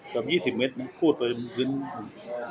จนยี่สิบเม็ดมันพูดไปถึงตำรวจ